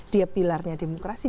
dia pilarnya demokrasi